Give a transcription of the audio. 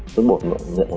với một nguyện